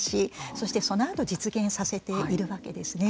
そしてそのあと実現させているわけですね。